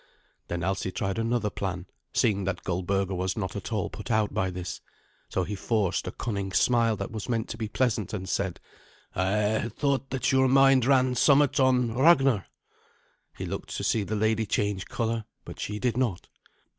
Then Alsi tried another plan, seeing that Goldberga was not at all put out by this. So he forced a cunning smile that was meant to be pleasant, and said, "I had thought that your mind ran somewhat on Ragnar." He looked to see the lady change colour, but she did not.